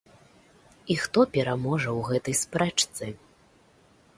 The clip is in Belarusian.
І хто пераможа ў гэтай спрэчцы?